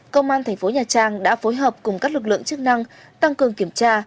công an thành phố nhà trang đã phối hợp cùng các lực lượng chức năng tăng cường kiểm tra